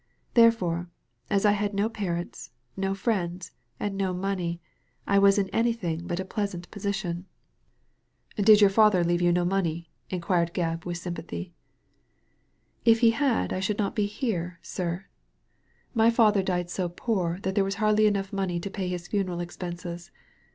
Therefore, as I had no parents, no friends, and no money, I was in anything but a pleasant position." Digitized by Google 102 THE LADY FROM NOWHERE "Did your father leave no money?" inquired Gebb, with sympathy. " If he had I should not be here, sir. My father died so poor that there was hardly enough money to pay his funeral expenses.